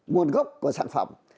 nguồn gốc của sản phẩm